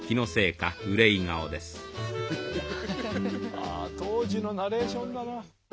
ああ当時のナレーションだな。